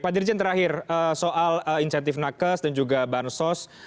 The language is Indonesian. pak dirjen terakhir soal insentif nakes dan juga bansos